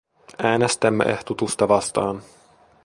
Äänestämme ehdotusta vastaan.